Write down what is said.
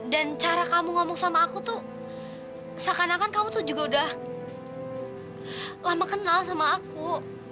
dan cara kamu ngomong sama aku tuh seakan akan kamu tuh juga udah lama kenal sama aku